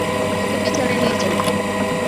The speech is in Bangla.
ওকে বিছানায় নিয়ে চলো।